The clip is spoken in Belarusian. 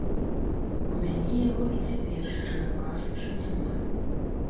У мяне яго і цяпер, шчыра кажучы, няма.